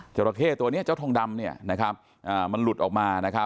จราเข้ตัวนี้เจ้าทองดำมันหลุดออกมา